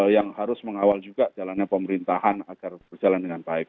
yang harus mengawal juga jalannya pemerintahan agar berjalan dengan baik